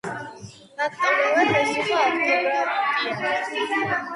ფაქტობრივად ეს იყო ავტოკრატია.